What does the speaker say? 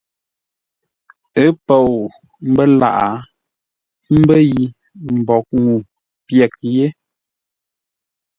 Ə́ pou mbə́ lâʼ ə́ mbə́ yi mboʼ ŋuu pyəghʼ yé.